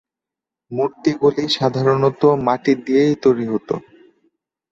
মূর্তিগুলি সাধারণত মাটি দিয়েই তৈরি হত।